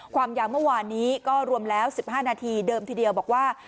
ความยาวเมื่อวานนี้ก็รวมแล้ว๑๕นาทีเดิมทีเดียวบอกว่า